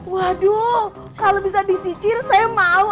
waduh kalau bisa disikir saya mau